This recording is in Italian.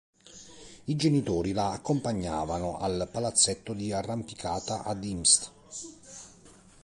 I genitori la accompagnavano al palazzetto di arrampicata ad Imst.